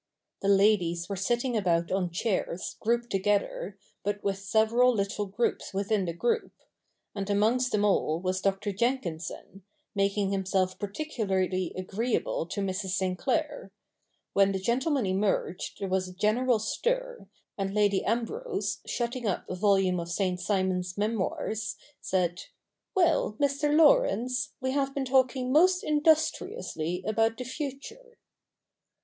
The ladies were sitting about on chairs, grouped together, but with several little groups within the group ; and amongst them all was Dr. Jenkinson, making himself particularly agreeable to Mrs. Sinclair. When the gentlemen emerged there was a general stir, and Lady Ambrose, shutting up a volume of St. Simon's Memoirs, said, 'Well, Mr. Laurence, we have been talking most industriously about the future.'